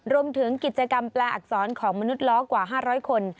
รวมถึงกิจกรรมแปลอักษรของมนุษย์ล้อกว่า๕๐๐คน